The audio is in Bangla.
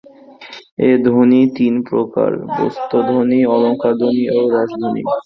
এ ধ্বনি তিন প্রকার বস্ত্তধ্বনি, অলঙ্কারধ্বনি ও রসধ্বনি।